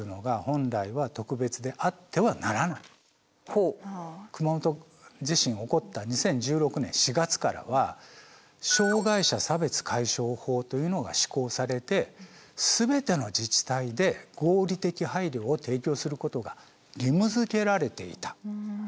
あんなふうな熊本地震が起こった２０１６年４月からは障害者差別解消法というのが施行されて全ての自治体で合理的配慮を提供することが義務づけられていた。